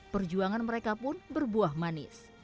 perjuangan mereka pun berbuah manis